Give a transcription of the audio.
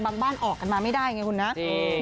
บ้านออกกันมาไม่ได้ไงคุณนะ